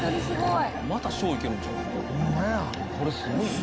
すごい！」